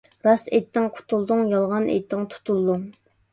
راست ئېيتتىڭ قۇتۇلدۇڭ، يالغان ئېيتتىڭ تۇتۇلدۇڭ.